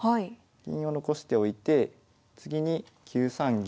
銀を残しておいて次に９三銀。